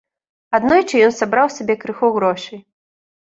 Аднойчы ён сабраў сабе крыху грошай.